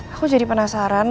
aku jadi penasaran